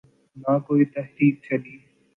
نہ کوئی تحریک چلی۔